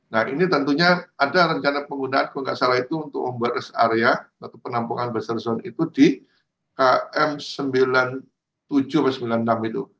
nah ini tentunya ada rencana penggunaan kalau nggak salah itu untuk membuat rest area atau penampungan buster zone itu di km sembilan puluh tujuh atau sembilan puluh enam itu